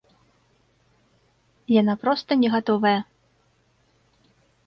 Яна проста не гатовая.